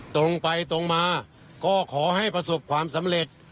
ตรงไปตรงมาก็ขอให้ประสบความสำเร็จ